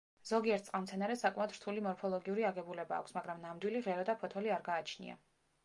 ზოგიერთ წყალმცენარეს საკმაოდ რთული მორფოლოგიური აგებულება აქვს, მაგრამ ნამდვილი ღერო და ფოთოლი არ გააჩნია.